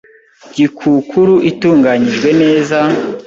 Gikukuru itunganyijwe neza,